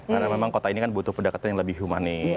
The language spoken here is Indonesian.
karena memang kota ini kan butuh pendekatan yang lebih humanis